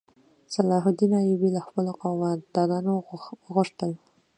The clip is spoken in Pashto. صلاح الدین ایوبي له خپلو قوماندانانو وغوښتل.